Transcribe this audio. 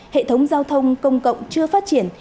hệ thống giao thông công cộng chưa phát triển